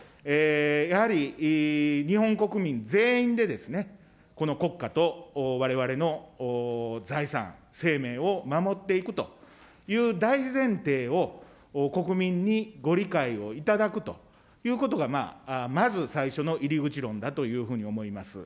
やはり日本国民全員で、この国家とわれわれの財産、生命を守っていくという大前提を国民にご理解を頂くということがまあ、まず最初の入り口論だというふうに思います。